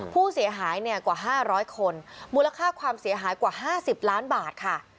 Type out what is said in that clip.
ผู้เสียหายกว่า๕๐๐คนมูลค่าความเสียหายกว่า๕๐ล้านบาทค่ะ